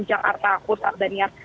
jakarta akut dan banyar